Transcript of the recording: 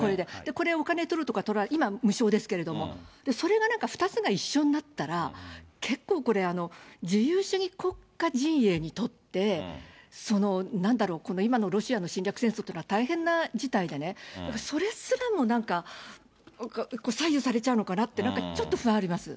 これでお金取るとか取らないとか、今、無償ですけれども、それが今２つが一緒になったら、結構これ、自由主義国家陣営にとって、なんだろう、この今のロシアの侵略戦争とか、大変な事態でね、それすらもなんか、左右されちゃうのかなって、なんかちょっと不安あります。